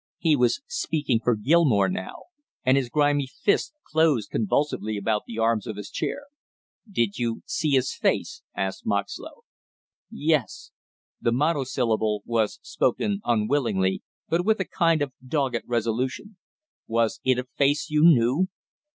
He was speaking for Gilmore now, and his grimy lists closed convulsively about the arms of his chair. "Did you see his face?" asked Moxlow. "Yes " the monosyllable was spoken unwillingly, but with a kind of dogged resolution. "Was it a face you knew?"